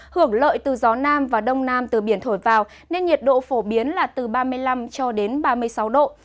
hưởng lợi từ gió nam và đông nam từ biển thổi vào nên nhiệt độ phổ biến là từ ba mươi năm cho đến ba mươi sáu độ